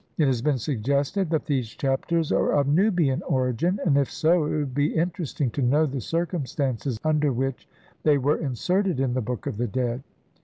It has been suggested that these Chapters are of Nubian origin, and if so it would be interest ing to know the circumstances under which they were inserted in the Book of the Dead.